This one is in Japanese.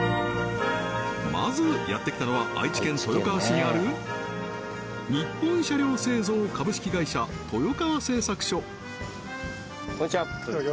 まずやってきたのは愛知県豊川市にある日本車輌製造株式会社豊川製作所こんにちは